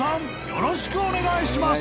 よろしくお願いします］